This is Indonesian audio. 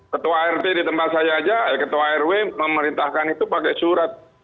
ketua rt di tempat saya aja ketua rw memerintahkan itu pakai surat